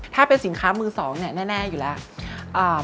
ถ้าเป็นสินค้ามือ๒แน่อยู่แล้ว